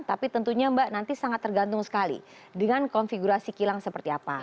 tapi tentunya mbak nanti sangat tergantung sekali dengan konfigurasi kilang seperti apa